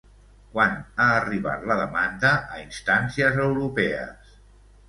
Quan ha arribat la demanda a instàncies europees?